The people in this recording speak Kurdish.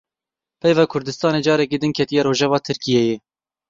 Peyva Kurdistanê careke din ketiye rojeva Tirkiyeyê.